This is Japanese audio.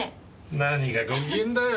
何がご機嫌だよ。